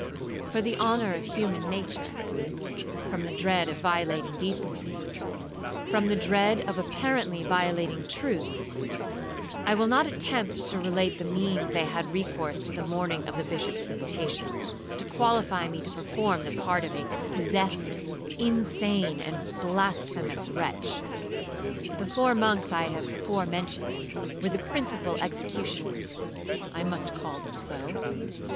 For the honour of human nature,—from the dread of violating decency,—from the dread of apparently violating truth, I will not attempt to relate the means they had recourse to the morning of the Bishop's visitation, to qualify me to perform the part of a possessed, insane, and blasphemous wretch. The four monks I have before mentioned, were the principal executioners, (I must call them so).